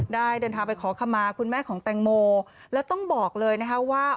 ได้เดินทางไปขอคำมาคุณแม่ของแตงโมแล้วต้องบอกเลยนะคะว่า